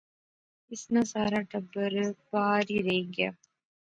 اس ناں سار ٹبر پار ہی رہی گیا